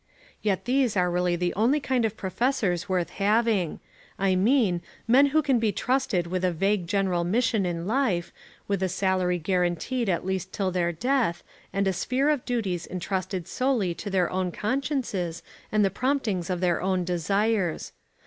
Yet these are really the only kind of professors worth having, I mean, men who can be trusted with a vague general mission in life, with a salary guaranteed at least till their death, and a sphere of duties entrusted solely to their own consciences and the promptings of their own desires.